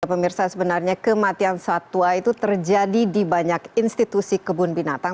pemirsa sebenarnya kematian satwa itu terjadi di banyak institusi kebun binatang